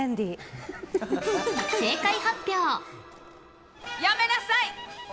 正解発表！